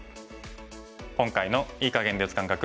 今回の“いい”かげんで打つ感覚